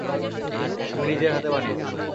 আমি নিজের হাতে বানিয়েছি।